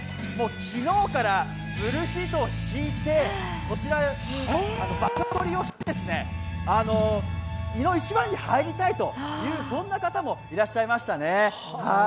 昨日からブルーシートを敷いて、こちらに場所取りをして、いの一番に入りたいというそんな方もいらっしゃいましたね。